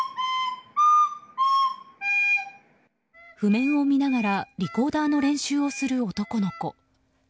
譜面を見ながらリコーダーの練習をする男の子。